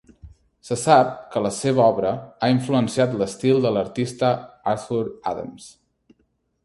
Se sap que la seva obra ha influenciat l'estil de l'artista Arthur Adams.